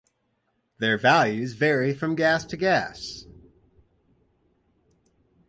Their values vary from gas to gas.